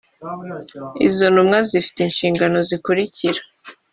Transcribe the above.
izo ntumwa zifite inshingano zikurikira